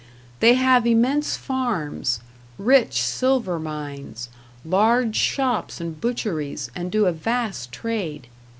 They have immense farms, rich silver mines, large shops and butcheries, and do a vast trade.